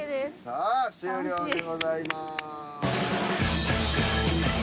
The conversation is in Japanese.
さあ終了でございます。